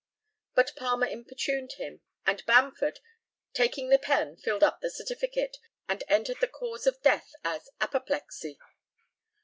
But Palmer importuned him, and Bamford taking the pen filled up the certificate, and entered the cause of death as "apoplexy."